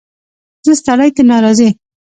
ـ زه ستړى ته ناراضي.